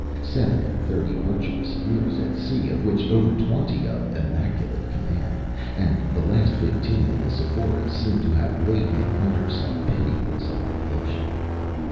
Seven and thirty virtuous years at sea, of which over twenty of immaculate command, and the last fifteen in the Sephora, seemed to have laid him under some pitiless obligation.